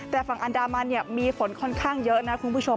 แต่ฝั่งอันดามันมีฝนค่อนข้างเยอะนะคุณผู้ชม